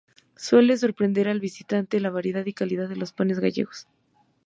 Suele sorprender al visitante la variedad y calidad de los panes gallegos.